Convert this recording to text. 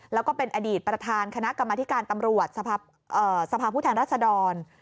แล้วก็เป็นอดีตประธานคณะกรรมธิการตำรวจสภาพผู้แทนรัศดร